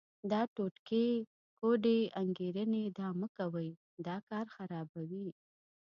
دا ټوټکې، کوډې، انګېرنې دا مه کوئ، دا کار خرابوي.